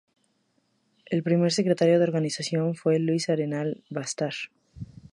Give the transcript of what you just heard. El primer secretario de la organización fue Luis Arenal Bastar.